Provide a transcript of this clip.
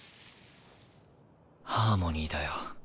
ハーモニーだよ。